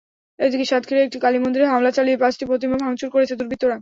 এদিকে সাতক্ষীরায় একটি কালীমন্দিরে হামলা চালিয়ে পাঁচটি প্রতিমা ভাঙচুর করেছে দুর্বৃত্তরা।